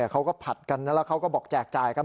เขาก็ผัดกันแล้วเขาก็บอกแจกจ่ายกัน